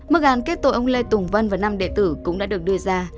mức án kết tội ông lê tùng vân và năm đệ tử cũng đã được đưa ra